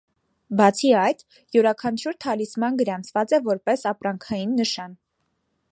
Բացի այդ, յուրաքանչյուր թալիսման գրանցված է որպես ապրանքային նշան։